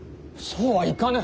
そうはいかぬ。